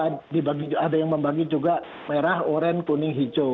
atau ada yang membagi juga merah oranye kuning hijau